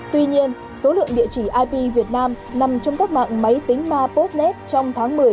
tuy nhiên số lượng địa chỉ ip việt nam nằm trong các mạng máy tính mapotlet trong tháng một mươi